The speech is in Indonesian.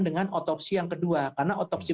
dengan otopsi yang kedua karena otopsi